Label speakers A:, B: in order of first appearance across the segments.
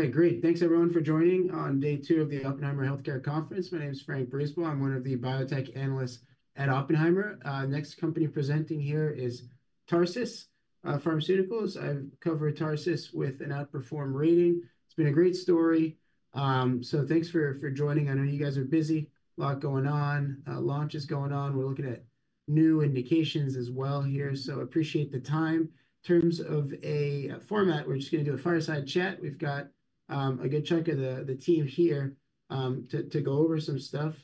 A: All right, great. Thanks, everyone, for joining on Day 2 of the Oppenheimer Healthcare Conference. My name is Frank Brisebois. I'm one of the biotech analysts at Oppenheimer. Next company presenting here is Tarsus Pharmaceuticals. I've covered Tarsus with an outperform rating. It's been a great story. So thanks for joining. I know you guys are busy. Lot going on. Launch is going on. We're looking at new indications as well here. Appreciate the time. In terms of a format, we're just going to do a fireside chat. We've got a good chunk of the team here to go over some stuff.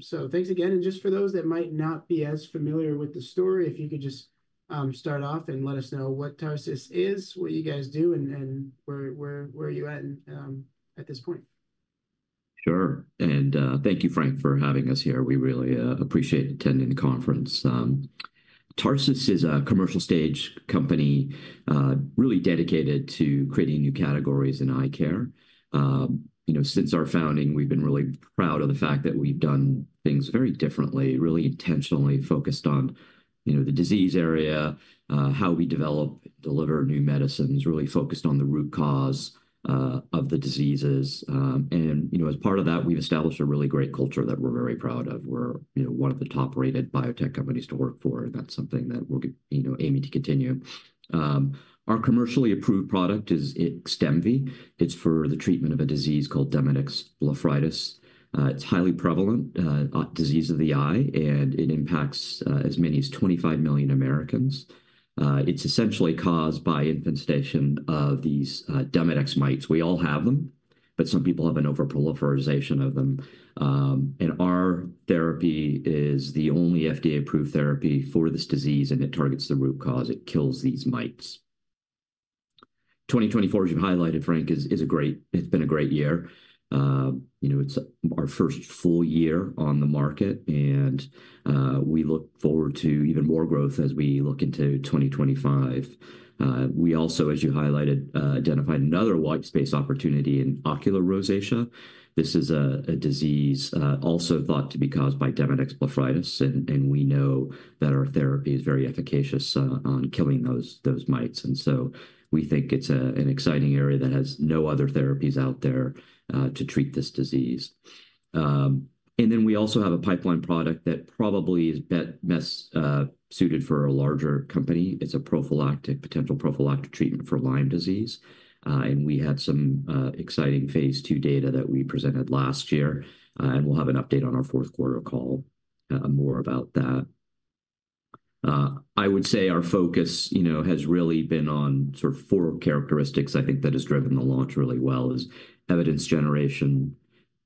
A: So thanks again, and just for those that might not be as familiar with the story, if you could just start off and let us know what Tarsus is, what you guys do, and where you're at at this point. Sure. And thank you, Frank, for having us here. We really appreciate attending the conference. Tarsus is a commercial stage company really dedicated to creating new categories in eye care. Since our founding, we've been really proud of the fact that we've done things very differently, really intentionally focused on the disease area, how we develop and deliver new medicines, really focused on the root cause of the diseases. And as part of that, we've established a really great culture that we're very proud of. We're one of the top-rated biotech companies to work for. That's something that we're aiming to continue. Our commercially approved product is XDEMVY. It's for the treatment of a disease called Demodex blepharitis. It's highly prevalent, a disease of the eye, and it impacts as many as 25 million Americans. It's essentially caused by infestation of these Demodex mites. We all have them, but some people have an overproliferation of them. And our therapy is the only FDA-approved therapy for this disease, and it targets the root cause. It kills these mites. 2024, as you've highlighted, Frank, has been a great year. It's our first full year on the market, and we look forward to even more growth as we look into 2025. We also, as you highlighted, identified another white space opportunity in ocular rosacea. This is a disease also thought to be caused by Demodex blepharitis, and we know that our therapy is very efficacious on killing those mites. And so we think it's an exciting area that has no other therapies out there to treat this disease. And then we also have a pipeline product that probably is best suited for a larger company. It's a potential prophylactic treatment for Lyme disease. We had some exciting phase II data that we presented last year, and we'll have an update on our fourth quarter call, more about that. I would say our focus has really been on sort of four characteristics. I think that has driven the launch really well is evidence generation,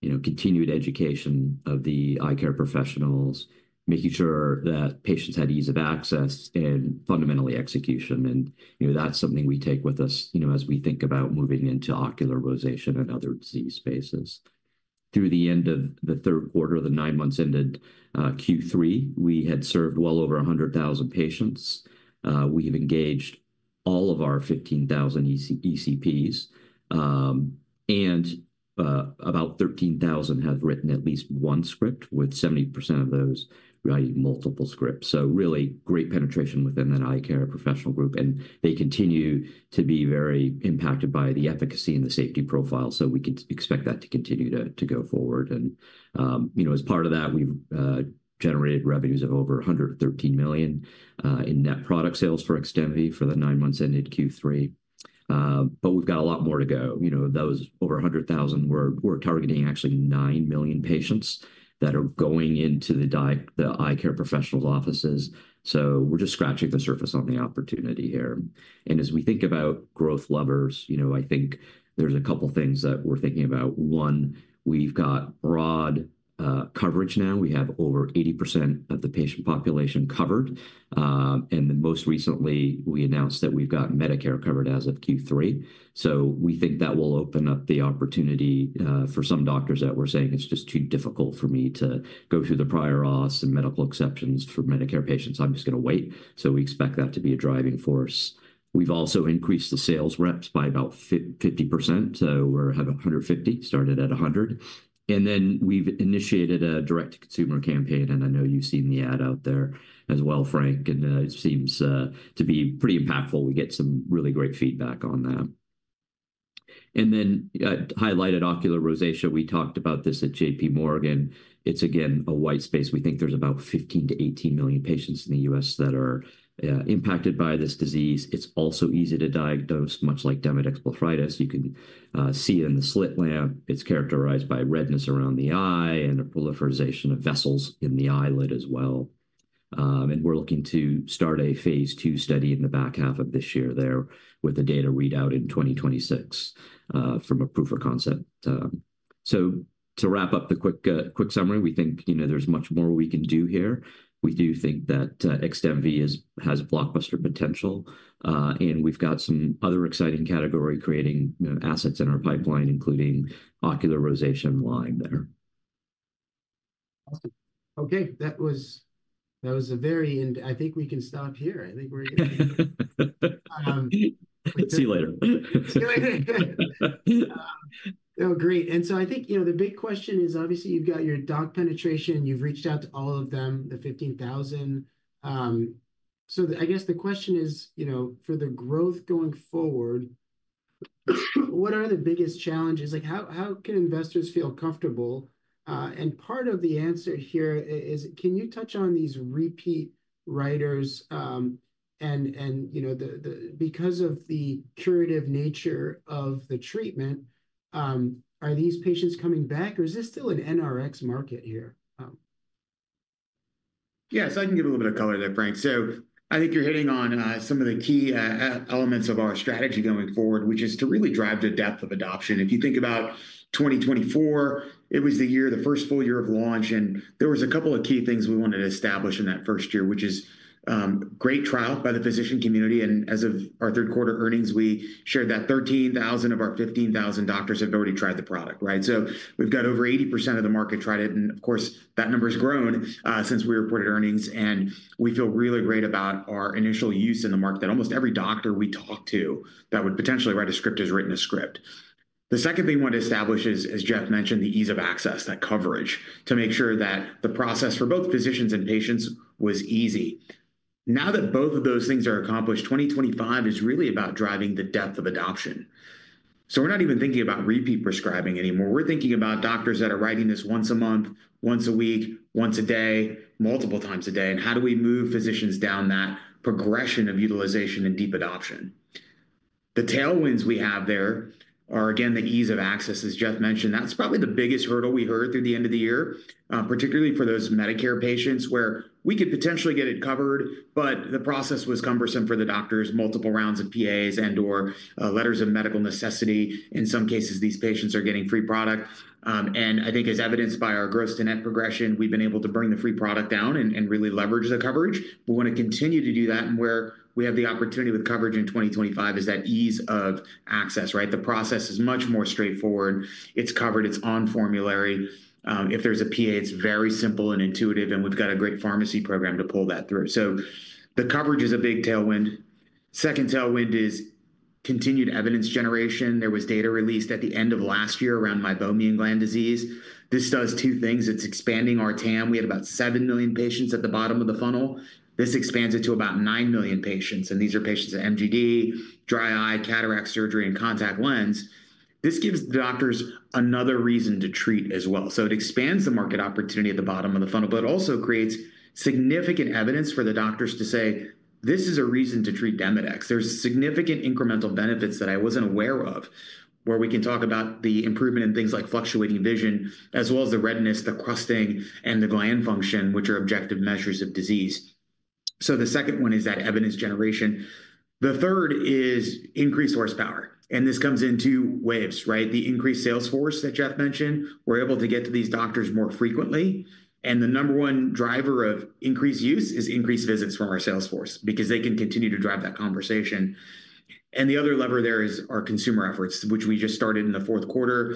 A: continued education of the eye care professionals, making sure that patients had ease of access, and fundamentally execution. And that's something we take with us as we think about moving into ocular rosacea and other disease spaces. Through the end of the third quarter, the nine months ended Q3, we had served well over 100,000 patients. We have engaged all of our 15,000 ECPs, and about 13,000 have written at least one script, with 70% of those writing multiple scripts. Really great penetration within that eye care professional group, and they continue to be very impacted by the efficacy and the safety profile. We could expect that to continue to go forward. And as part of that, we've generated revenues of over $113 million in net product sales for XDEMVY for the nine months ended Q3. But we've got a lot more to go. Those over 100,000, we're targeting actually nine million patients that are going into the eye care professionals' offices. We're just scratching the surface on the opportunity here. As we think about growth levers, I think there's a couple of things that we're thinking about. One, we've got broad coverage now. We have over 80% of the patient population covered. And most recently, we announced that we've got Medicare covered as of Q3. We think that will open up the opportunity for some doctors that were saying, "It's just too difficult for me to go through the prior auths and medical exceptions for Medicare patients. I'm just going to wait." So we expect that to be a driving force. We've also increased the sales reps by about 50%. We're having 150%, started at 100%. And then we've initiated a direct-to-consumer campaign, and I know you've seen the ad out there as well, Frank, and it seems to be pretty impactful. We get some really great feedback on that. And then I highlighted ocular rosacea. We talked about this at J.P. Morgan. It's, again, a white space. We think there's about 15 million-18 million patients in the U.S. that are impacted by this disease. It's also easy to diagnose, much like Demodex blepharitis. You can see it in the slit lamp. It's characterized by redness around the eye and a proliferation of vessels in the eyelid as well, and we're looking to start a phase II study in the back half of this year there with a data readout in 2026 from a proof of concept, so to wrap up the quick summary, we think there's much more we can do here. We do think that XDEMVY has blockbuster potential, and we've got some other exciting category creating assets in our pipeline, including ocular rosacea and Lyme there. Awesome. Okay. That was a very—I think we can stop here. I think we're good. See you later. See you later. Good. No, great. And so I think the big question is, obviously, you've got your doc penetration. You've reached out to all of them, the 15,000. I guess the question is, for the growth going forward, what are the biggest challenges? How can investors feel comfortable? And part of the answer here is, can you touch on these repeat writers? And because of the curative nature of the treatment, are these patients coming back, or is this still an NRx market here? Yeah. I can give a little bit of color there, Frank. I think you're hitting on some of the key elements of our strategy going forward, which is to really drive the depth of adoption. If you think about 2024, it was the year, the first full year of launch, and there were a couple of key things we wanted to establish in that first year, which is great trial by the physician community. And as of our third quarter earnings, we shared that 13,000 of our 15,000 doctors have already tried the product, right? We've got over 80% of the market tried it. And of course, that number has grown since we reported earnings, and we feel really great about our initial use in the market that almost every doctor we talk to that would potentially write a script has written a script. The second thing we want to establish is, as Jeff mentioned, the ease of access, that coverage to make sure that the process for both physicians and patients was easy. Now that both of those things are accomplished, 2025 is really about driving the depth of adoption. We're not even thinking about repeat prescribing anymore. We're thinking about doctors that are writing this once a month, once a week, once a day, multiple times a day. And how do we move physicians down that progression of utilization and deep adoption? The tailwinds we have there are, again, the ease of access, as Jeff mentioned. That's probably the biggest hurdle we heard through the end of the year, particularly for those Medicare patients where we could potentially get it covered, but the process was cumbersome for the doctors, multiple rounds of PAs and/or letters of medical necessity. In some cases, these patients are getting free product, and I think as evidenced by our gross-to-net progression, we've been able to bring the free product down and really leverage the coverage. We want to continue to do that, and where we have the opportunity with coverage in 2025 is that ease of access, right? The process is much more straightforward. It's covered. It's on formulary. If there's a PA, it's very simple and intuitive, and we've got a great pharmacy program to pull that through, so the coverage is a big tailwind. Second tailwind is continued evidence generation. There was data released at the end of last year around Meibomian gland disease. This does two things. It's expanding our TAM. We had about 7 million patients at the bottom of the funnel. This expands it to about 9 million patients. These are patients at MGD, dry eye, cataract surgery, and contact lens. This gives the doctors another reason to treat as well. It expands the market opportunity at the bottom of the funnel, but it also creates significant evidence for the doctors to say, "This is a reason to treat Demodex. There's significant incremental benefits that I wasn't aware of," where we can talk about the improvement in things like fluctuating vision, as well as the redness, the crusting, and the gland function, which are objective measures of disease. The second one is that evidence generation. The third is increased horsepower. This comes in two waves, right? The increased sales force that Jeff mentioned, we're able to get to these doctors more frequently. The number one driver of increased use is increased visits from our sales force because they can continue to drive that conversation. And the other lever there is our consumer efforts, which we just started in the fourth quarter,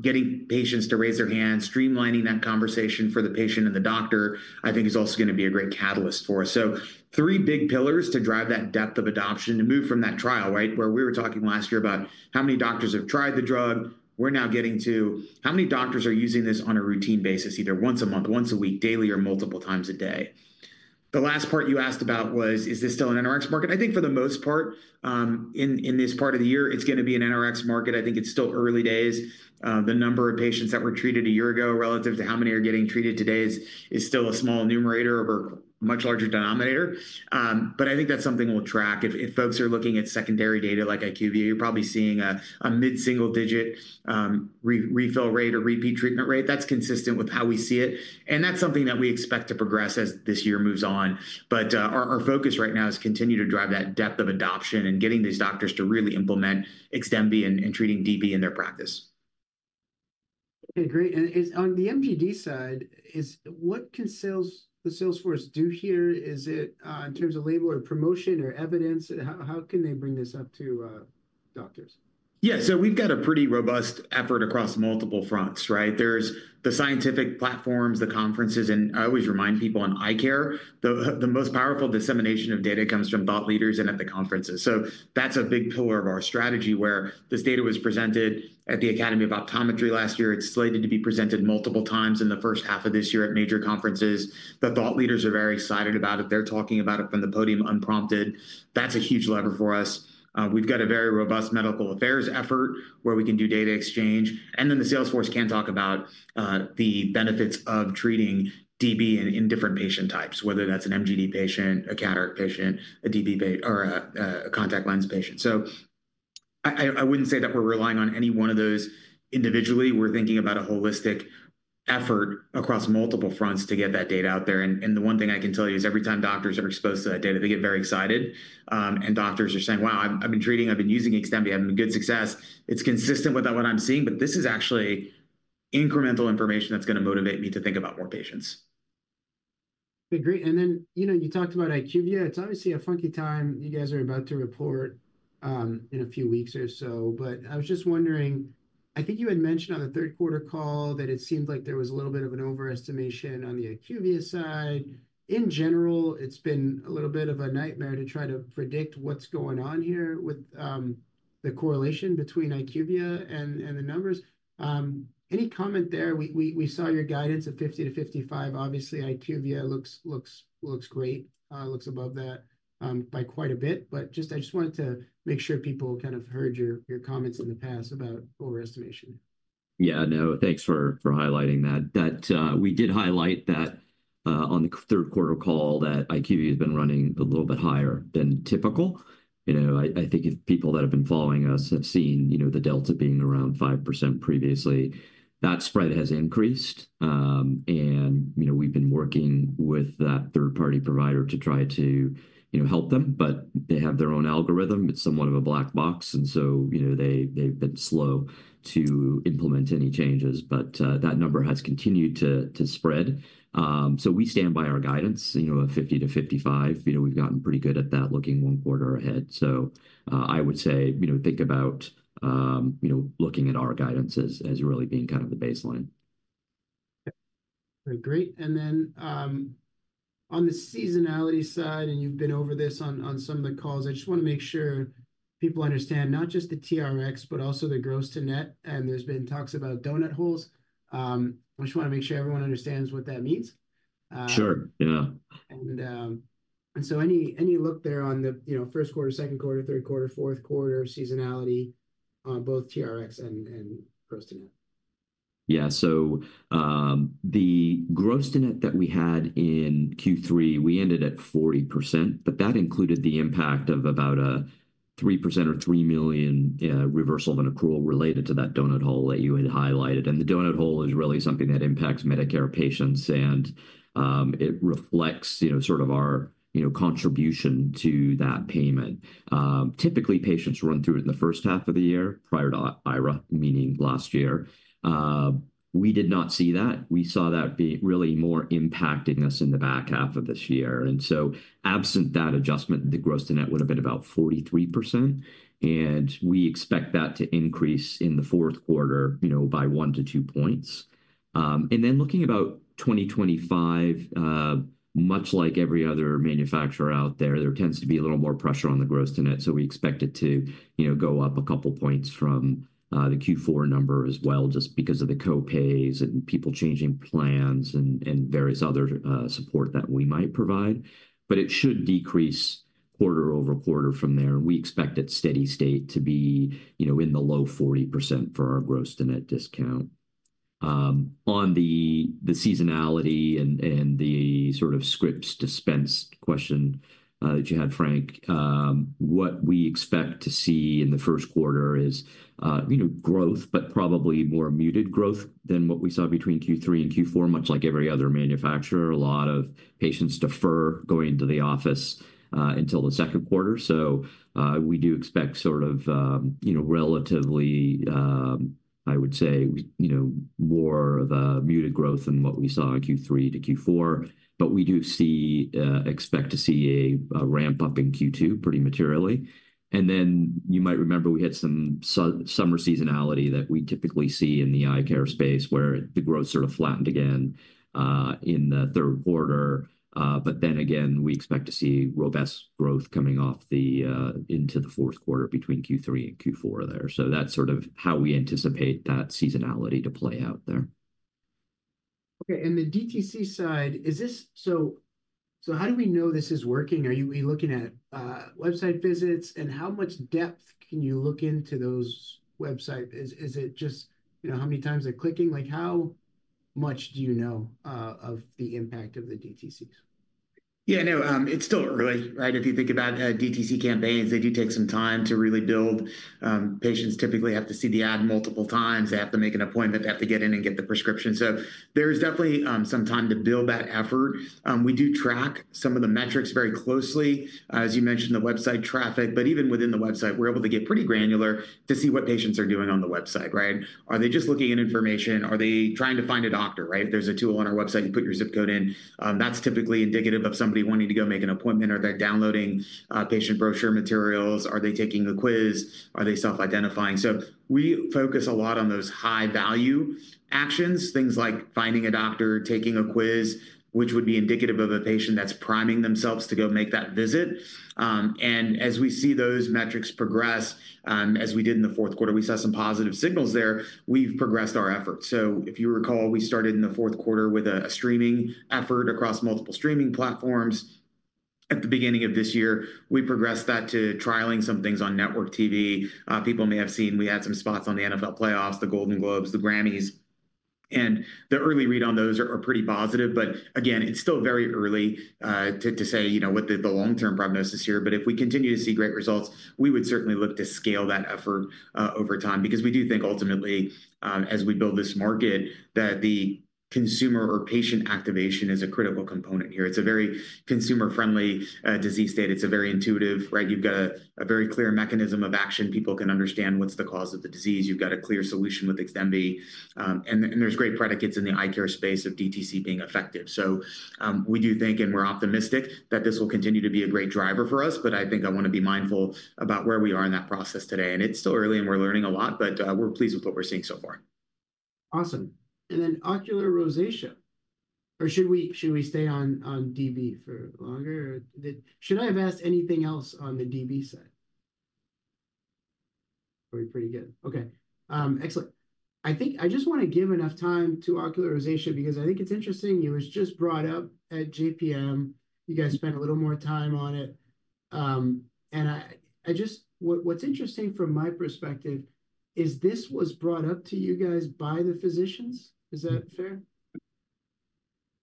A: getting patients to raise their hands, streamlining that conversation for the patient and the doctor, I think, is also going to be a great catalyst for us, so three big pillars to drive that depth of adoption to move from that trial, right? Where we were talking last year about how many doctors have tried the drug, we're now getting to how many doctors are using this on a routine basis, either once a month, once a week, daily, or multiple times a day. The last part you asked about was, is this still an NRx market? I think for the most part, in this part of the year, it's going to be an NRx market. I think it's still early days. The number of patients that were treated a year ago relative to how many are getting treated today is still a small numerator over a much larger denominator. But I think that's something we'll track. If folks are looking at secondary data like IQVIA, you're probably seeing a mid-single digit refill rate or repeat treatment rate. That's consistent with how we see it. And that's something that we expect to progress as this year moves on. But our focus right now is to continue to drive that depth of adoption and getting these doctors to really implement XDEMVY and treating DB in their practice. Okay. Great. And on the MGD side, what can the sales force do here? Is it in terms of labor or promotion or evidence? How can they bring this up to doctors? Yeah. We've got a pretty robust effort across multiple fronts, right? There's the scientific platforms, the conferences, and I always remind people on eye care, the most powerful dissemination of data comes from thought leaders and at the conferences. So that's a big pillar of our strategy where this data was presented at the Academy of Optometry last year. It's slated to be presented multiple times in the first half of this year at major conferences. The thought leaders are very excited about it. They're talking about it from the podium unprompted. That's a huge lever for us. We've got a very robust medical affairs effort where we can do data exchange. And then the sales force can talk about the benefits of treating DB in different patient types, whether that's an MGD patient, a cataract patient, a DB, or a contact lens patient. I wouldn't say that we're relying on any one of those individually. We're thinking about a holistic effort across multiple fronts to get that data out there. And the one thing I can tell you is every time doctors are exposed to that data, they get very excited. And doctors are saying, "Wow, I've been treating. I've been using XDEMVY. I've been good success." It's consistent with what I'm seeing, but this is actually incremental information that's going to motivate me to think about more patients. Okay. Great. And then you talked about IQVIA. It's obviously a funky time. You guys are about to report in a few weeks or so. But I was just wondering, I think you had mentioned on the third quarter call that it seemed like there was a little bit of an overestimation on the IQVIA side. In general, it's been a little bit of a nightmare to try to predict what's going on here with the correlation between IQVIA and the numbers. Any comment there? We saw your guidance of $50 million to $55 million. Obviously, IQVIA looks great, looks above that by quite a bit. But I just wanted to make sure people kind of heard your comments in the past about overestimation.
B: Yeah. No, thanks for highlighting that. That, we did highlight that on the third-quarter call, that IQVIA has been running a little bit higher than typical. I think people that have been following us have seen the delta being around 5% previously. That spread has increased, and we've been working with that third-party provider to try to help them, but they have their own algorithm. It's somewhat of a black box, and so they've been slow to implement any changes. But that number has continued to spread, so we stand by our guidance of $50 million-$55 million. We've gotten pretty good at that looking one quarter ahead, so I would say, think about looking at our guidance as really being kind of the baseline.
A: Okay. Great. And then on the seasonality side, and you've been over this on some of the calls, I just want to make sure people understand not just the TRx, but also the gross-to-net. And there's been talks about donut holes. I just want to make sure everyone understands what that means.
B: Sure. Yeah.
A: And so any look there on the first quarter, second quarter, third quarter, fourth quarter seasonality on both TRx and gross-to-net?
B: Yeah. So the gross-to-net that we had in Q3, we ended at 40%, but that included the impact of about a 3% or $3 million reversal of an accrual related to that donut hole that you had highlighted. And the donut hole is really something that impacts Medicare patients, and it reflects sort of our contribution to that payment. Typically, patients run through it in the first half of the year prior to IRA, meaning last year. We did not see that. We saw that really more impacting us in the back half of this year. And so absent that adjustment, the gross-to-net would have been about 43%. And we expect that to increase in the fourth quarter by 1 to 2 points. And then looking about 2025, much like every other manufacturer out there, there tends to be a little more pressure on the gross-to-net. We expect it to go up a couple of points from the Q4 number as well, just because of the copays and people changing plans and various other support that we might provide. But it should decrease quarter over quarter from there. And we expect at steady state to be in the low 40% for our gross-to-net discount. On the seasonality and the sort of scripts dispense question that you had, Frank, what we expect to see in the first quarter is growth, but probably more muted growth than what we saw between Q3 and Q4, much like every other manufacturer. A lot of patients defer going into the office until the second quarter. We do expect sort of relatively, I would say, more of a muted growth than what we saw in Q3 to Q4. But we do expect to see a ramp up in Q2 pretty materially. And then you might remember we had some summer seasonality that we typically see in the eye care space where the growth sort of flattened again in the third quarter. But then again, we expect to see robust growth coming off into the fourth quarter between Q3 and Q4 there. So that's sort of how we anticipate that seasonality to play out there.
A: Okay. And the DTC side, so how do we know this is working? Are we looking at website visits? And how much depth can you look into those websites? Is it just how many times they're clicking? How much do you know of the impact of the DTCs? Yeah. No, it's still early, right? If you think about DTC campaigns, they do take some time to really build. Patients typically have to see the ad multiple times. They have to make an appointment. They have to get in and get the prescription. So there's definitely some time to build that effort. We do track some of the metrics very closely, as you mentioned, the website traffic. But even within the website, we're able to get pretty granular to see what patients are doing on the website, right? Are they just looking at information? Are they trying to find a doctor, right? There's a tool on our website. You put your zip code in. That's typically indicative of somebody wanting to go make an appointment or they're downloading patient brochure materials. Are they taking a quiz? Are they self-identifying? We focus a lot on those high-value actions, things like finding a doctor, taking a quiz, which would be indicative of a patient that's priming themselves to go make that visit. And as we see those metrics progress, as we did in the fourth quarter, we saw some positive signals there. We've progressed our efforts. So if you recall, we started in the fourth quarter with a streaming effort across multiple streaming platforms. At the beginning of this year, we progressed that to trialing some things on network TV. People may have seen we had some spots on the NFL playoffs, the Golden Globes, the Grammys. And the early read on those are pretty positive. But again, it's still very early to say what the long-term prognosis here. But if we continue to see great results, we would certainly look to scale that effort over time because we do think ultimately, as we build this market, that the consumer or patient activation is a critical component here. It's a very consumer-friendly disease state. It's a very intuitive, right? You've got a very clear mechanism of action. People can understand what's the cause of the disease. You've got a clear solution with XDEMVY. And there's great precedents in the eye care space of DTC being effective. We do think, and we're optimistic, that this will continue to be a great driver for us. But I think I want to be mindful about where we are in that process today. And it's still early, and we're learning a lot, but we're pleased with what we're seeing so far. Awesome. And then ocular rosacea. Or should we stay on DB for longer? Should I have asked anything else on the DB side? We're pretty good. Okay. Excellent. I think I just want to give enough time to ocular rosacea because I think it's interesting. It was just brought up at JPM. You guys spent a little more time on it. And what's interesting from my perspective is this was brought up to you guys by the physicians. Is that fair?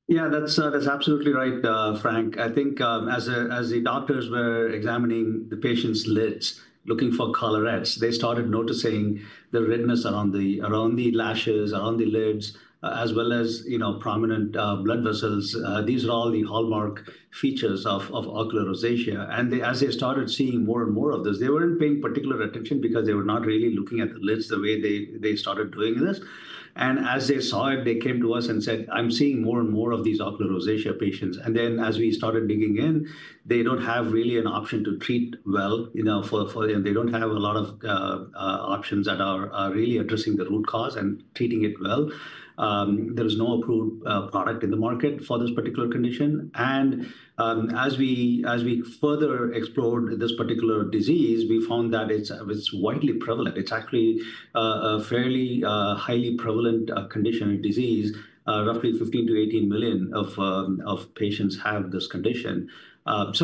A: Yeah, that's absolutely right, Frank. I think as the doctors were examining the patient's lids, looking for collarettes, they started noticing the redness around the lashes, around the lids, as well as prominent blood vessels. These are all the hallmark features of ocular rosacea, and as they started seeing more and more of this, they weren't paying particular attention because they were not really looking at the lids the way they started doing this, and as they saw it, they came to us and said, "I'm seeing more and more of these ocular rosacea patients," and then as we started digging in, they don't have really an option to treat well. They don't have a lot of options that are really addressing the root cause and treating it well. There is no approved product in the market for this particular condition. As we further explored this particular disease, we found that it's widely prevalent. It's actually a fairly highly prevalent condition or disease. Roughly 15 million-18 million patients have this condition. This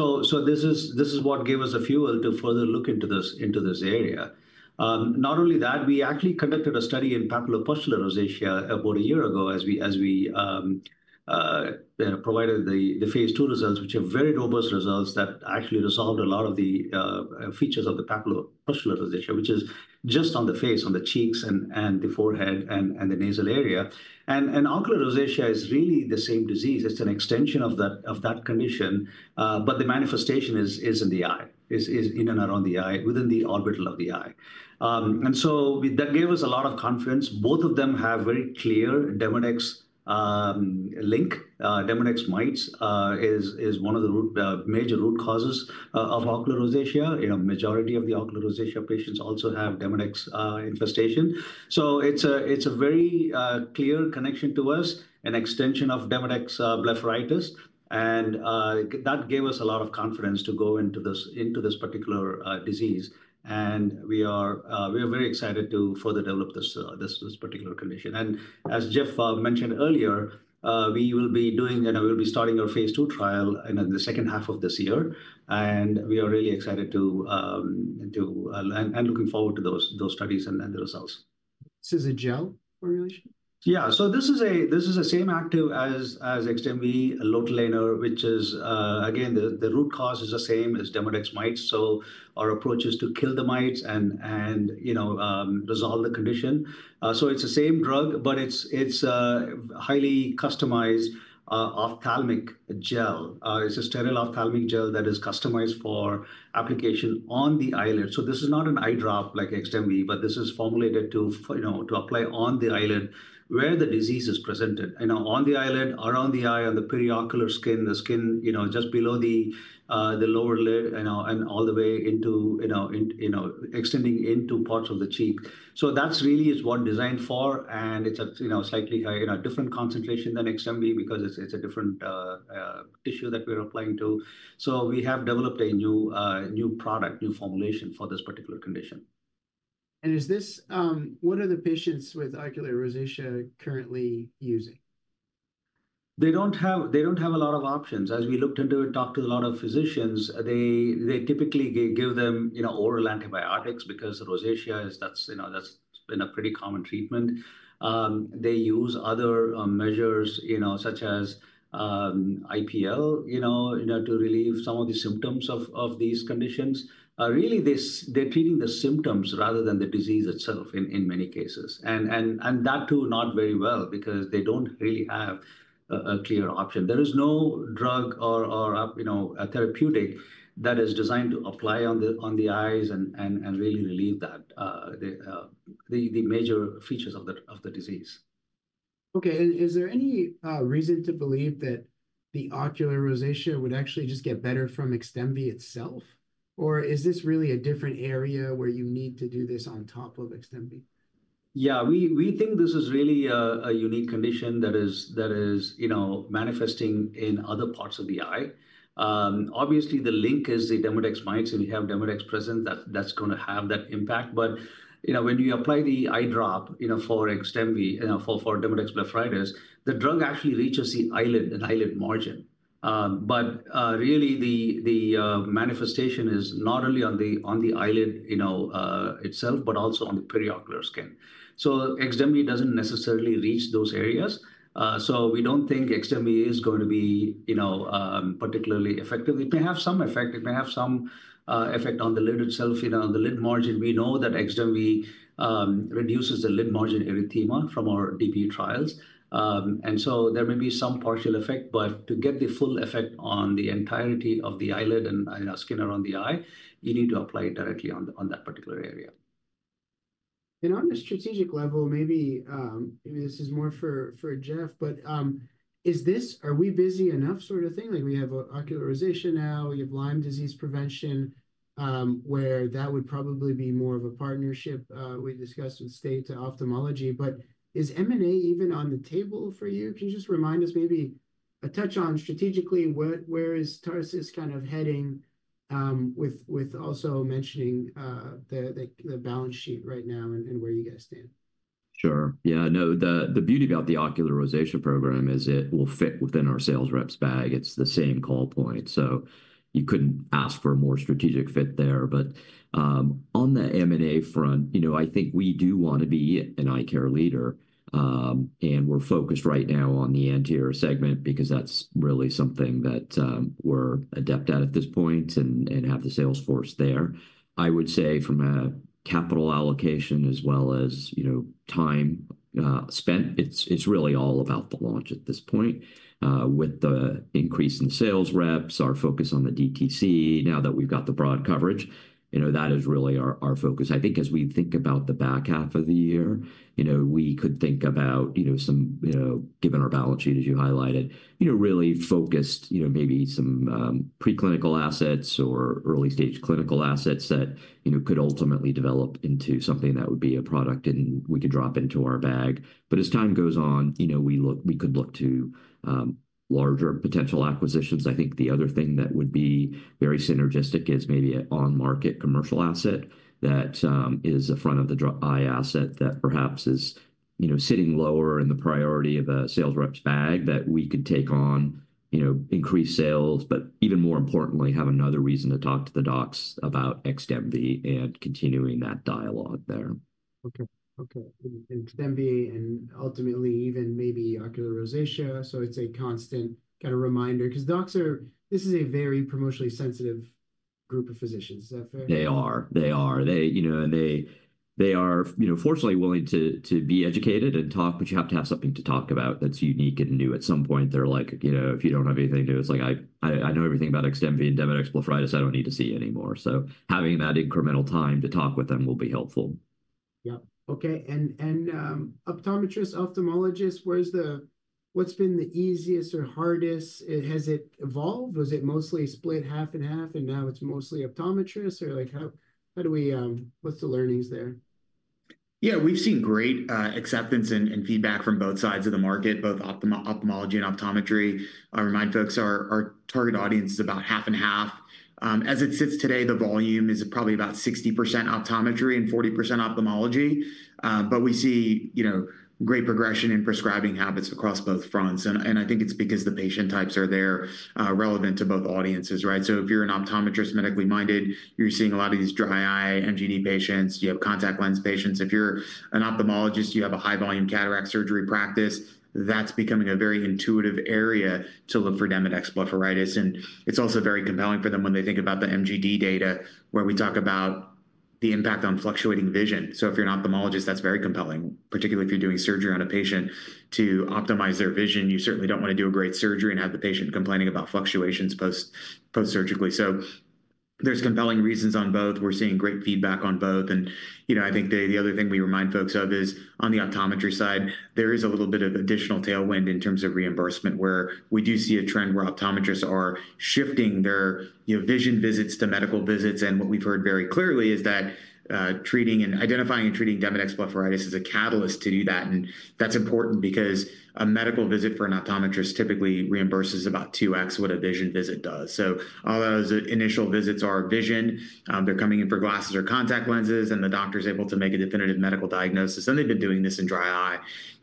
A: is what gave us a fuel to further look into this area. Not only that, we actually conducted a study in papulopustular rosacea about a year ago as we provided the phase II results, which are very robust results that actually resolved a lot of the features of the papulopustular rosacea, which is just on the face, on the cheeks, and the forehead, and the nasal area. Ocular rosacea is really the same disease. It's an extension of that condition, but the manifestation is in the eye, is in and around the eye, within the orbital of the eye. That gave us a lot of confidence. Both of them have very clear Demodex link. Demodex mites is one of the major root causes of ocular rosacea. Majority of the ocular rosacea patients also have Demodex infestation, so it's a very clear connection to us, an extension of Demodex blepharitis, and that gave us a lot of confidence to go into this particular disease, and we are very excited to further develop this particular condition, and as Jeff mentioned earlier, we will be doing, and we'll be starting our phase II trial in the second half of this year, and we are really excited and looking forward to those studies and the results. This is a gel formulation? Yeah. So this is the same active as XDEMVY, lotilaner, which is, again, the root cause is the same as Demodex mites. So our approach is to kill the mites and resolve the condition. So it's the same drug, but it's a highly customized ophthalmic gel. It's a sterile ophthalmic gel that is customized for application on the eyelid. So this is not an eye drop like XDEMVY, but this is formulated to apply on the eyelid where the disease is presented. On the eyelid, around the eye, on the periocular skin, the skin just below the lower lid, and all the way into extending into parts of the cheek. So that's really what it's designed for, and it's a slightly different concentration than XDEMVY because it's a different tissue that we're applying to. We have developed a new product, new formulation for this particular condition. What are the patients with ocular rosacea currently using? They don't have a lot of options. As we looked into it, talked to a lot of physicians, they typically give them oral antibiotics because rosacea has been a pretty common treatment. They use other measures such as IPL to relieve some of the symptoms of these conditions. Really, they're treating the symptoms rather than the disease itself in many cases. And that too, not very well because they don't really have a clear option. There is no drug or therapeutic that is designed to apply on the eyes and really relieve the major features of the disease. Okay. And is there any reason to believe that the ocular rosacea would actually just get better from XDEMVY itself? Or is this really a different area where you need to do this on top of XDEMVY? Yeah, we think this is really a unique condition that is manifesting in other parts of the eye. Obviously, the link is the Demodex mites. If you have Demodex present, that's going to have that impact. But when you apply the eye drop for XDEMVY, for Demodex blepharitis, the drug actually reaches the eyelid margin. But really, the manifestation is not only on the eyelid itself, but also on the periocular skin. So XDEMVY doesn't necessarily reach those areas. We don't think XDEMVY is going to be particularly effective. It may have some effect. It may have some effect on the lid itself, the lid margin. We know that XDEMVY reduces the lid margin erythema from our DB trials. There may be some partial effect, but to get the full effect on the entirety of the eyelid and skin around the eye, you need to apply it directly on that particular area. And on a strategic level, maybe this is more for Jeff, but are we busy enough sort of thing? We have ocular rosacea now. We have Lyme disease prevention, where that would probably be more of a partnership we discussed with stay to ophthalmology. But is M&A even on the table for you? Can you just remind us maybe a touch on strategically, where is Tarsus kind of heading with also mentioning the balance sheet right now and where you guys stand?
B: Sure. Yeah. No, the beauty about the ocular rosacea program is it will fit within our sales rep's bag. It's the same call point. So you couldn't ask for a more strategic fit there. But on the M&A front, I think we do want to be an eye care leader. And we're focused right now on the anterior segment because that's really something that we're adept at at this point and have the sales force there. I would say from a capital allocation as well as time spent, it's really all about the launch at this point. With the increase in sales reps, our focus on the DTC, now that we've got the broad coverage, that is really our focus. I think as we think about the back half of the year, we could think about, given our balance sheet as you highlighted, really focused maybe some preclinical assets or early-stage clinical assets that could ultimately develop into something that would be a product and we could drop into our bag, but as time goes on, we could look to larger potential acquisitions. I think the other thing that would be very synergistic is maybe an on-market commercial asset that is a front-of-the-eye asset that perhaps is sitting lower in the priority of a sales rep's bag that we could take on, increase sales, but even more importantly, have another reason to talk to the docs about XDEMVY and continuing that dialogue there.
A: Okay. XDEMVY and ultimately even maybe ocular rosacea. So it's a constant kind of reminder because docs, this is a very promotionally sensitive group of physicians. Is that fair?
B: They are. They are. And they are, fortunately, willing to be educated and talk, but you have to have something to talk about that's unique and new at some point. They're like, "If you don't have anything new, it's like I know everything about XDEMVY and Demodex blepharitis. I don't need to see anymore." So having that incremental time to talk with them will be helpful.
A: Yeah. Okay. And optometrist, ophthalmologist, what's been the easiest or hardest? Has it evolved? Was it mostly split half and half, and now it's mostly optometrist? Or how do we - what's the learnings there? Yeah, we've seen great acceptance and feedback from both sides of the market, both ophthalmology and optometry. I remind folks our target audience is about half and half. As it sits today, the volume is probably about 60% optometry and 40% ophthalmology. But we see great progression in prescribing habits across both fronts. And I think it's because the patient types are there relevant to both audiences, right? So if you're an optometrist, medically minded, you're seeing a lot of these dry eye MGD patients. You have contact lens patients. If you're an ophthalmologist, you have a high-volume cataract surgery practice. That's becoming a very intuitive area to look for Demodex blepharitis. And it's also very compelling for them when they think about the MGD data, where we talk about the impact on fluctuating vision. So if you're an ophthalmologist, that's very compelling, particularly if you're doing surgery on a patient to optimize their vision. You certainly don't want to do a great surgery and have the patient complaining about fluctuations post-surgically. There's compelling reasons on both. We're seeing great feedback on both. And I think the other thing we remind folks of is on the optometry side, there is a little bit of additional tailwind in terms of reimbursement, where we do see a trend where optometrists are shifting their vision visits to medical visits. And what we've heard very clearly is that identifying and treating Demodex blepharitis is a catalyst to do that. And that's important because a medical visit for an optometrist typically reimburses about 2x what a vision visit does. So all those initial visits are vision. They're coming in for glasses or contact lenses, and the doctor's able to make a definitive medical diagnosis, and they've been doing this in dry eye,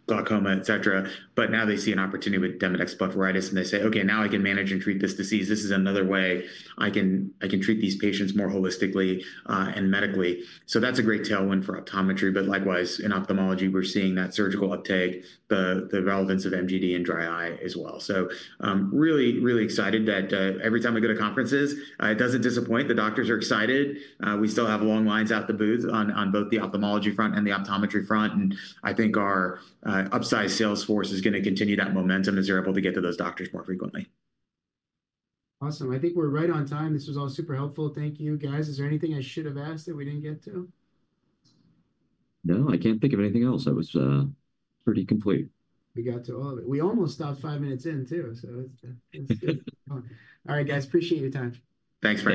A: glaucoma, etc. But now they see an opportunity with Demodex blepharitis, and they say, "Okay, now I can manage and treat this disease. This is another way I can treat these patients more holistically and medically," so that's a great tailwind for optometry. But likewise, in ophthalmology, we're seeing that surgical uptake, the relevance of MGD in dry eye as well, so really, really excited that every time we go to conferences, it doesn't disappoint. The doctors are excited. We still have long lines out the booth on both the ophthalmology front and the optometry front, and I think our upsized sales force is going to continue that momentum as they're able to get to those doctors more frequently. Awesome. I think we're right on time. This was all super helpful. Thank you, guys. Is there anything I should have asked that we didn't get to? No, I can't think of anything else. That was pretty complete. We got to all of it. We almost stopped five minutes in, too. So it's good. All right, guys. Appreciate your time.
B: Thanks.